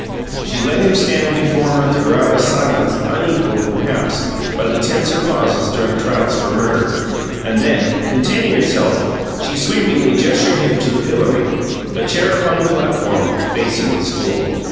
She let him stand before her throughout a silence, equalled, perhaps, by the tenser pauses during trials for murder, and then, containing herself, she sweepingly gestured him to the pillory a chair upon the platform, facing the school.